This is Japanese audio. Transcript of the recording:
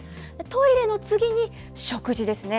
トイレの次に、食事ですね。